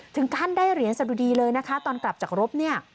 ท่านได้เหรียญสะดุดีเลยนะคะตอนกลับจากรบเนี่ย